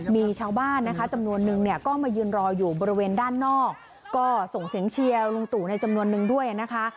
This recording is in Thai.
มีชาวบ้านนะคะจำนวนนึงเนี่ยก็มายืนรออยู่บริเวณด้านนอกก็ส่งเสียงเชียร์ลุงตู่ในจำนวนนึงด้วยนะคะ